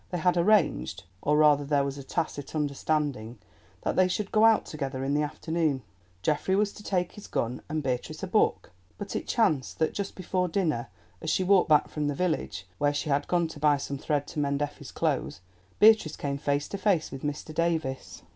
They had arranged, or rather there was a tacit understanding, that they should go out together in the afternoon. Geoffrey was to take his gun and Beatrice a book, but it chanced that, just before dinner, as she walked back from the village, where she had gone to buy some thread to mend Effie's clothes, Beatrice came face to face with Mr. Davies.